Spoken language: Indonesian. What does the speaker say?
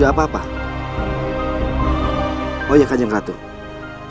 airplane kanjang ratu burger